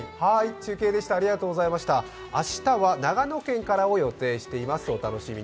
明日は長野県からを予定しています、お楽しみに。